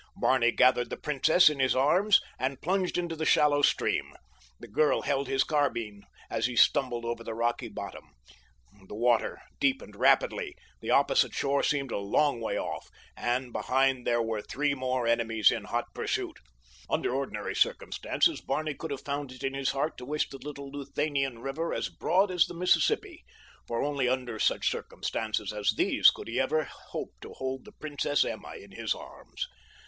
Barney gathered the princess in his arms and plunged into the shallow stream. The girl held his carbine as he stumbled over the rocky bottom. The water deepened rapidly—the opposite shore seemed a long way off and behind there were three more enemies in hot pursuit. Under ordinary circumstances Barney could have found it in his heart to wish the little Luthanian river as broad as the Mississippi, for only under such circumstances as these could he ever hope to hold the Princess Emma in his arms.